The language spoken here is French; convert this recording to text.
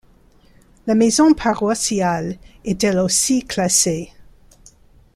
La maison paroissiale est elle aussi classée.